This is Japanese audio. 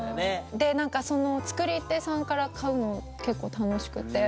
で何かその作り手さんから買うのも結構楽しくて。